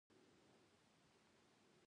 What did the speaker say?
مشهور مورخ میرخوند هم مغول بولي.